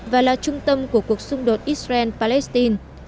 và là trung tâm của cuộc xung đột israel palestine